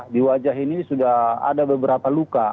di wajah ini sudah ada beberapa luka